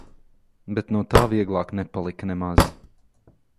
Bet no tā vieglāk nepalika nemaz.